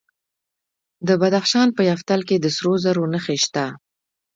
د بدخشان په یفتل کې د سرو زرو نښې شته.